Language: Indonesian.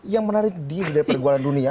yang menarik dia dari pergualan dunia